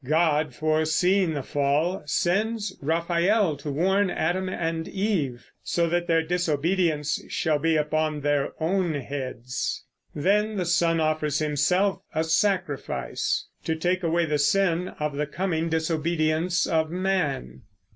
God, foreseeing the fall, sends Raphael to warn Adam and Eve, so that their disobedience shall be upon their own heads. Then the Son offers himself a sacrifice, to take away the sin of the coming disobedience of man.